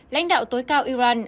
lãnh đạo tối cao của israel